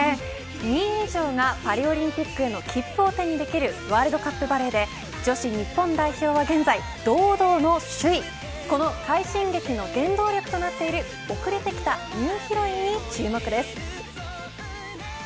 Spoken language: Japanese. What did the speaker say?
２位以上がパリオリンピックへの切符を手にできるワールドカップバレーでこの快進撃の原動力となっている遅れてきたニューヒロインに注目です。